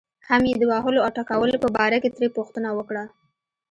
هم یې د وهلو او ټکولو په باره کې ترې پوښتنه وکړه.